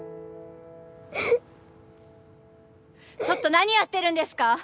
ちょっと何やってるんですか！？